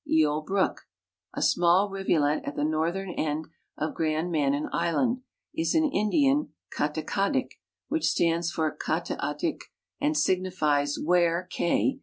Eel brook, a small rivulet at the northern end of Grand !\hinan island, is in Indian Katekadik, which stands for Kat akadik, anil signifies " where ( k.)